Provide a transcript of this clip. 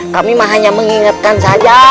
kami hanya mengingatkan saja